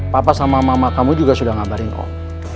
papa sama mama kamu juga sudah ngabarin om